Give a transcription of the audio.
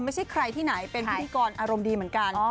ไม่ใช่ใครที่ไหนเป็นพิธีกรอารมณ์ดีเหมือนกัน